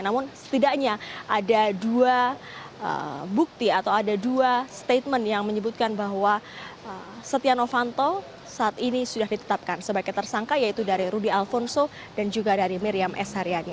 namun setidaknya ada dua bukti atau ada dua statement yang menyebutkan bahwa setia novanto saat ini sudah ditetapkan sebagai tersangka yaitu dari rudy alfonso dan juga dari miriam s haryani